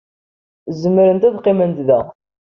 Zemrent ad qqiment da.